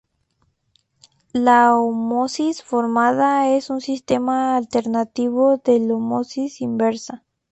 La ósmosis forzada es un sistema alternativo al ósmosis inversa.